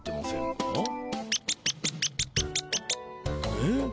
えっ？